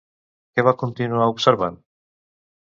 Què va continuar observant?